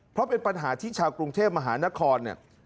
เพราะเป็นปัญหาที่ชาวกรุงเทพมหานครเนี่ย